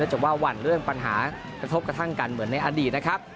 จากว่าหวั่นเรื่องปัญหากระทบกระทั่งกันเหมือนในอดีตนะครับ